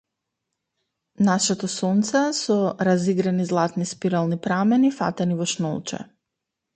Нашето сонце, со разиграни златни спирални прамени, фатени во шнолче.